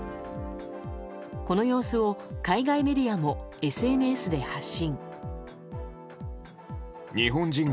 この様子を海外メディアもＳＮＳで発信。